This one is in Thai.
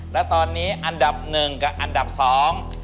และตอนนี้อันดับหนึ่งกับอันดับสอง